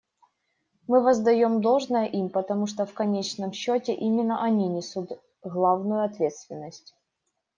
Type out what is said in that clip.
Мы воздаем должное им, потому что в конечном счете именно они несут главную ответственность.